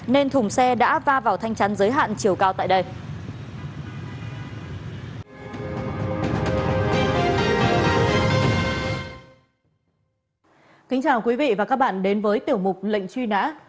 nên thùng xe đã va vào thanh chắn giới hạn chiều cao tại đây